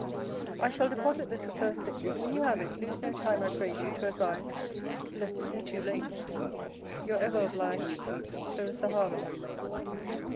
I shall deposit this the first thing. When you have it, lose no time, I pray you, to advise (lest it be too late) Your ever obliged CL. HARLOWE.